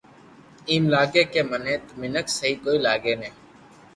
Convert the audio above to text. ايم لاگي ڪي تو مينک سھي ڪوئي ني